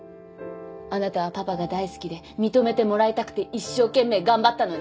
あなたはパパが大好きで認めてもらいたくて一生懸命頑張ったのに。